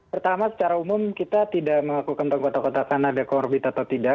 pertama secara umum kita tidak mengakukan pengkotak kotakan ada comorbid atau tidak